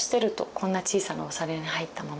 こんな小さなお皿に入ったもの。